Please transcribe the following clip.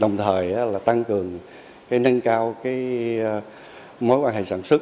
đồng thời là tăng cường nâng cao mối quan hệ sản xuất